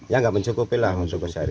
ya nggak mencukupi lah untuk besarnya